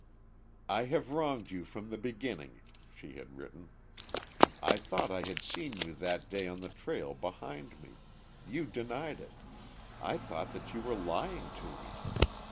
"I have wronged you from the beginning," she had written. "I thought that I had seen you that day on the trail behind me. You denied it. I thought that you were lying to me.